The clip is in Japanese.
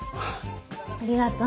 ありがとう。